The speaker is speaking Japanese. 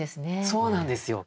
そうなんですよ。